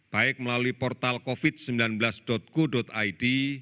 baik melalui portal covid sembilan belas go id